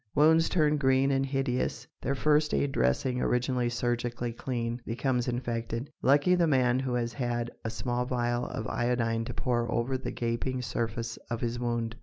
Wounds turn green and hideous. Their first aid dressing, originally surgically clean, becomes infected. Lucky the man who has had a small vial of iodine to pour over the gaping surface of his wound.